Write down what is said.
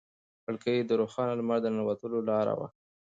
کړکۍ د روښانه لمر د ننوتلو لاره وه.